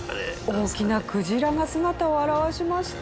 大きなクジラが姿を現しました。